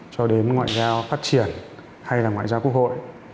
cho đến ngoại giao phát triển hay là ngoại giao quốc hội